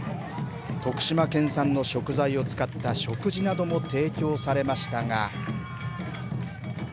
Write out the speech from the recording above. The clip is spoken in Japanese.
徳島県産の食材を使った食事なども提供されましたが。